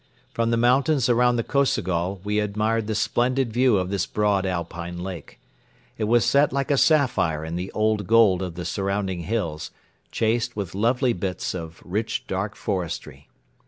From the mountains around the Kosogol we admired the splendid view of this broad Alpine lake. It was set like a sapphire in the old gold of the surrounding hills, chased with lovely bits of rich dark forestry.